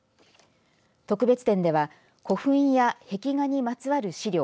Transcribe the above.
特別展では古墳や壁画にまつわる資料